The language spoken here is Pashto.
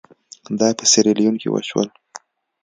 دا په سیریلیون کې وشول.